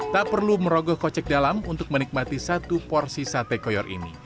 tak perlu merogoh kocek dalam untuk menikmati satu porsi sate koyor ini